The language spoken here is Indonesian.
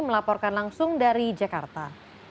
melaporkan langsung dari jakarta